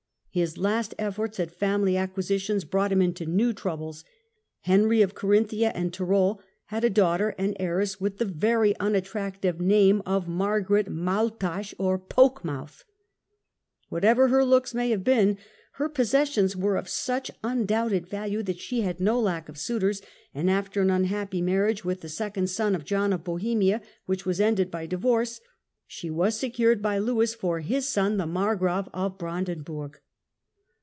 His last efforts at family acquisitions brought him into new troubles. Henry of Carinthia and Tyrol had a daughter and heiress with the very unattractive name of Margaret Maultasch or " Poke mouth ". Whatever her looks may Succession have been, her possessions were of such undoubted'" ^'° value that she had no lack of suitors, and after an un happy marriage with the second son of John of Bohemia, which was ended by divorce, she was secured by Lewis for his son the Margrave of Brandenburg.